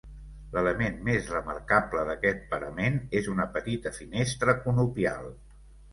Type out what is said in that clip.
L'element més remarcable d'aquest parament és una petita finestra conopial.